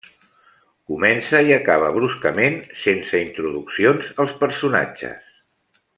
Comença i acaba bruscament, sense introduccions als personatges.